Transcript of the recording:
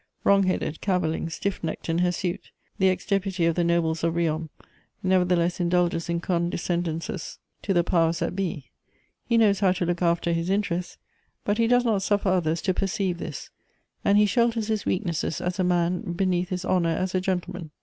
Wrong headed, cavilling, stiff necked, and hirsute, the ex deputy of the nobles of Riom nevertheless indulges in condescendences to the powers that be; he knows how to look after his interests, but he does not suffer others to perceive this, and he shelters his weaknesses as a man beneath his honour as a gentleman.